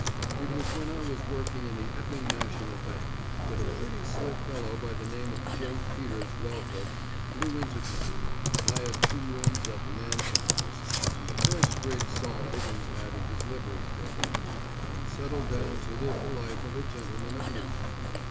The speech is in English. It was when I was working in the Epping National Bank, that a pretty slick fellow by the name of J. Peters Wellford blew into town, hired two rooms at the Mansion House, and the best rig Sol Higgins had in his livery stable, and settled down to live the life of a gentleman of leisure.